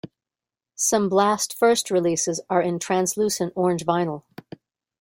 Some "Blast First" releases are in translucent orange vinyl.